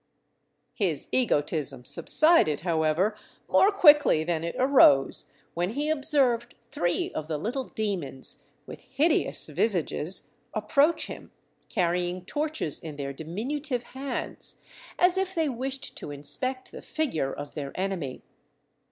His egotism subsided, however, more quickly than it arose, when he observed three of the little demons, with hideous visages, approach him, carrying torches in their diminutive hands, as if they wished to inspect the figure of their enemy.